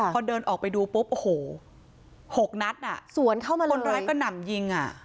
พอเดินออกไปดูปุ๊บโอ้โหหกนัดอ่ะคนร้ายก็หนำยิงอ่ะ